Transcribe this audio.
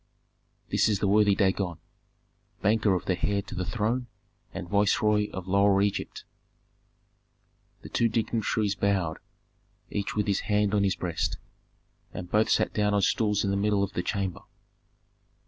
This is the worthy Dagon, banker of the heir to the throne and viceroy of Lower Egypt." The two dignitaries bowed, each with his hand on his breast, and both sat down on stools in the middle of the chamber.